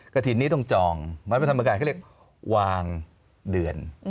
กระถิ่นนี้ต้องจองไม้พระธรรมกายเขาเรียกวางเดือน